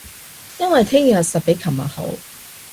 因為聼日實比尋日好